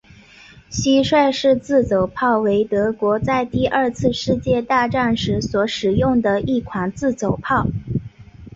蟋蟀式自走炮为德国在第二次世界大战时所使用的一款自走炮。